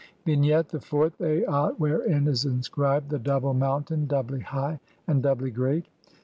IV. Vignette : The fourth Aat I ', wherein is inscribed "the double mountain, doubly high, and doubly great".